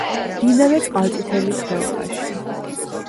მდინარე წყალწითელის ხეობაში.